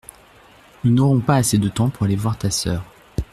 Nous n’aurons pas assez de temps pour aller voir ta sœur.